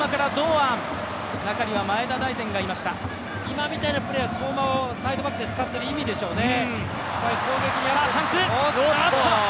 今みたいなプレーは相馬をサイドバックで使っている意味でしょうね。